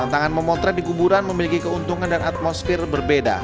tantangan memotret di kuburan memiliki keuntungan dan atmosfer berbeda